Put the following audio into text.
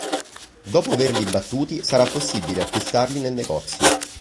Dopo averli battuti sarà possibile acquistarli nel negozio.